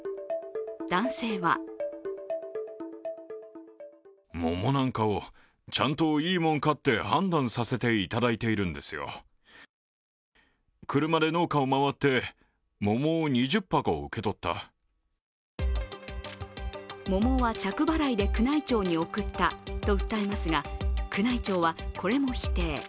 男性は桃は着払いで宮内庁に送ったと訴えますが宮内庁はこれも否定。